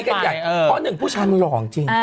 เพราะหนึ่งผู้ชายมันหล่อจริง